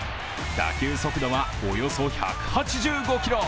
打球速度はおよそ１８５キロ。